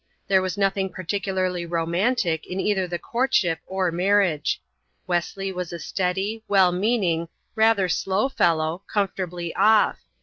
There was nothing particularly romantic in either the courtship or marriage. Wesley was a steady, well meaning, rather slow fellow, comfortably off.